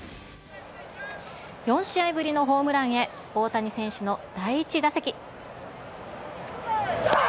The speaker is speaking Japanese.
４試合ぶりのホームランへ、大谷選手の第１打席。